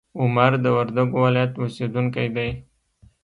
عمر د وردګو ولایت اوسیدونکی دی.